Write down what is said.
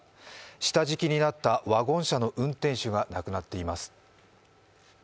下敷きになったワゴン車の運転手が亡くなっています。